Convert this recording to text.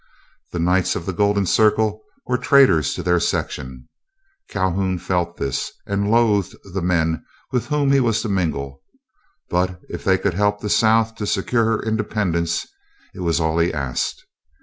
The Knights of the Golden Circle were traitors to their section. Calhoun felt this, and loathed the men with whom he was to mingle; but if they could help the South to secure her independence, it was all he asked.